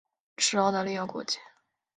持澳大利亚国籍。